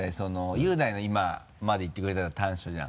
佑大の今まで言ってくれたの短所じゃん。